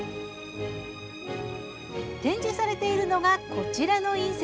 展示されているのがこちらの隕石。